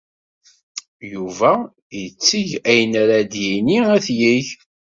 Yuba itteg ayen ara d-yini ad t-yeg.